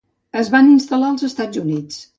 Es van instal·lar als Estats Units.